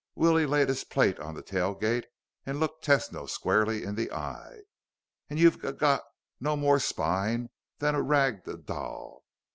Willie laid his plate on the tailgate and looked Tesno squarely in the eye. "And you've g got no more spine than a rag d doll!"